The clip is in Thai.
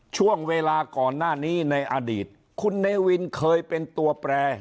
ช่วงเวลาก่อนหน้านี้ในอดีตคุณเนวินเคยเป็นตัวแปร